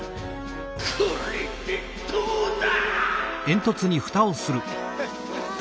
これでどうだ！